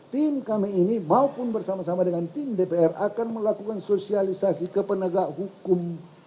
tim kami ini maupun bersama sama dengan tim dpr akan melakukan sosialisasi ke penegak hukum